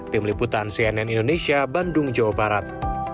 tim liputan cnn indonesia bandung jawa barat